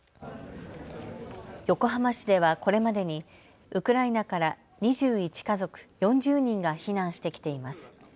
横浜市ではこれまでにウクライナから２１家族４０人が避難してきています。